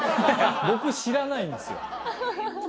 僕知らないんですよ。